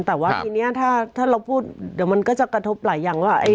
แต่ว่าทีนี้ถ้าเราพูดเดี๋ยวมันก็จะกระทบหลายอย่างว่า